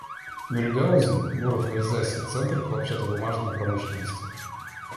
Мюльгаузен — город в Эльзасе, центр хлопчатобумажной промышленности.